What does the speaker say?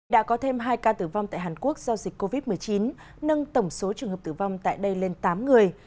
đã có thêm hai ca tử vong tại hàn quốc do dịch covid một mươi chín nâng tổng số trường hợp tử vong tại đây lên tám người